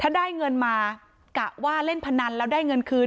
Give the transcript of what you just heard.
ถ้าได้เงินมากะว่าเล่นพนันแล้วได้เงินคืน